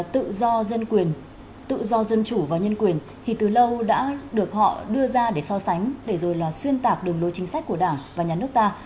tự do dân quyền tự do dân chủ và nhân quyền thì từ lâu đã được họ đưa ra để so sánh để rồi là xuyên tạc đường lối chính sách của đảng và nhà nước ta